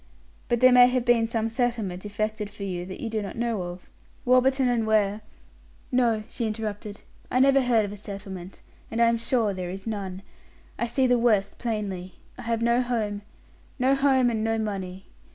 But there may have been some settlement effected for you that you do not know of. Warburton & Ware " "No," she interrupted: "I never heard of a settlement, and I am sure there is none. I see the worst plainly. I have no home, no home and no money.